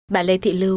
bà lê thị lưu